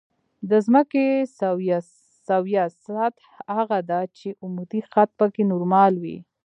د ځمکې سویه سطح هغه ده چې عمودي خط پکې نورمال وي